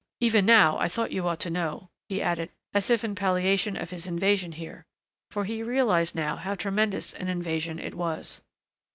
Even now I thought you ought to know," he added, as if in palliation of his invasion here. For he realized now how tremendous an invasion it was.